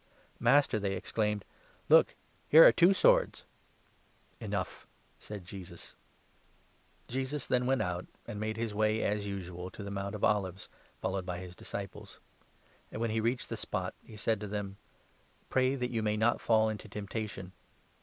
" Master," they exclaimed, " look, here are two swords !" 38 " Enough !" said Jesus. Jesi Jesus then went out, and made his way as usual 39 on the Mount to the Mount of Olives, followed by his dis of oiives. ciples. And, when he reached the spot, he said 40 to them :" Pray that you may not fall into temptation."